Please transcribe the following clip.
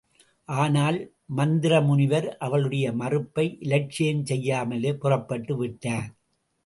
ஆனால், மந்தரமுனிவர் அவளுடைய மறுப்பை இலட்சியம் செய்யாமலே புறப்பட்டுவிட்டார்.